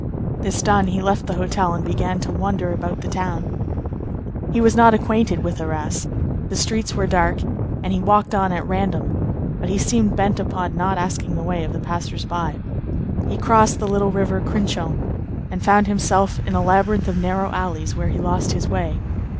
This done, he left the hotel and began to wander about the town. He was not acquainted with Arras; the streets were dark, and he walked on at random; but he seemed bent upon not asking the way of the passers by. He crossed the little river Crinchon, and found himself in a labyrinth of narrow alleys where he lost his way.